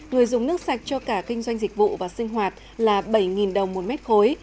người dùng nước sạch cho cả kinh doanh dịch vụ và sinh hoạt là bảy đồng một mét khối